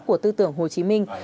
của tư tưởng hồ chí minh